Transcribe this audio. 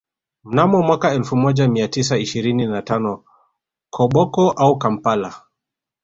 Mnamo mwaka elfu moja mia tisa ishirini na tano Koboko au Kampala